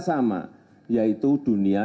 sama yaitu dunia